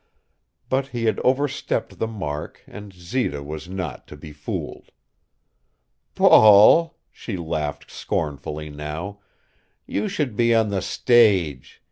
But he had overstepped the mark and Zita was not to be fooled. "Paul" she laughed scornfully now "you should be on the stage.